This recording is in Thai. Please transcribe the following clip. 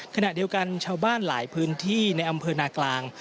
ขณะเดียวกันชาวบ้านหลายพื้นที่ในอำเภอนากลาง